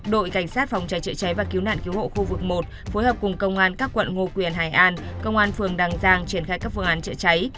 đội cảnh sát phòng trái trợ trái và cứu nạn cứu hộ khu vực một phối hợp cùng công an các quận ngô quyền hải an công an phường đăng giang triển khai các phương án trợ trái